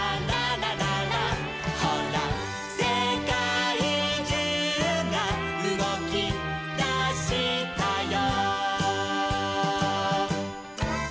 「ほらせかいじゅうがうごきだしたよ」